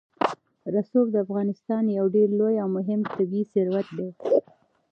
رسوب د افغانستان یو ډېر لوی او مهم طبعي ثروت دی.